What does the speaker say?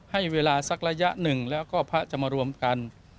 ให้เวลาสักระยะหนึ่งแล้วก็พระจะมารวมกัน